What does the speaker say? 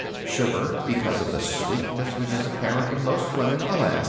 Sugar, because of the sweetness which is apparent in most women — alas